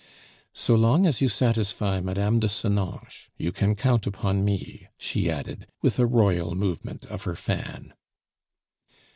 "So long as you satisfy Mme. de Senonches, you can count upon me," she added, with a royal movement of her fan.